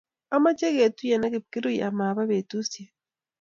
Amache ketuyen ak Kipkirui amapa petusyek.